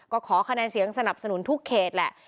ก็ขอคะแนนเสียงสนับสนุนทุกเขตแหละ